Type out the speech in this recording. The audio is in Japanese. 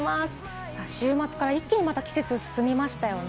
週末から一気に季節が進みましたよね。